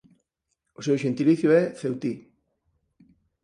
O seu xentilicio é ceutí.